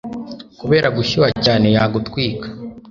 kubera gushyuha cyane yagutwika